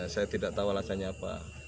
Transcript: saya tidak tahu alasannya apa